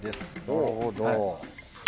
なるほど。